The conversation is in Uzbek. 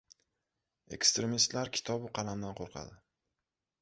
Ekstremistlar kitobu qalamdan qo‘rqadi.